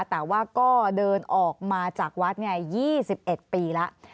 แต่ว่าก็เดินออกมาจากวัด๒๑ปีแล้ว